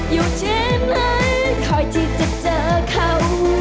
อยู่ที่ไหนคอยที่จะเจอเขา